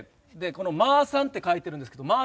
まーさんって書いてるんですけどまー